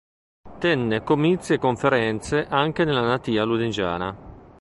Tenne comizi e conferenze anche nella natia Lunigiana.